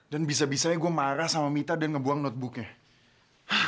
dan bisa bisanya gue marah sama mita dan ngebuang notebooknya